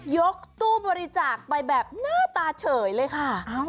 ยกตู้บริจาคไปแบบหน้าตาเฉยเลยค่ะ